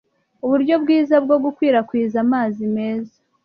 uburyo bwiza bwo gukwirakwiza amazi meza